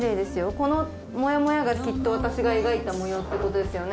このモヤモヤがきっと私が描いた模様ってことですよね？